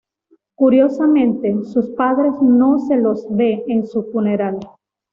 Curiosamente, sus padres no se los ve en su funeral.